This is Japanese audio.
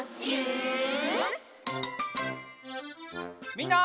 みんな。